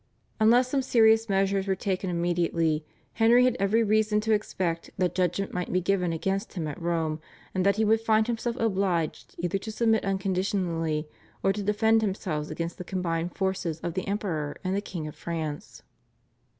Unless some serious measures were taken immediately, Henry had every reason to expect that judgment might be given against him at Rome, and that he would find himself obliged either to submit unconditionally or to defend himself against the combined forces of the Emperor and the King of France.